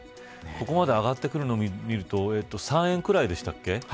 ここまで上がるのを見ると３円くらいでしたっけ。